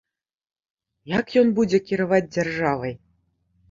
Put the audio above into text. Як ён будзе кіраваць дзяржавай?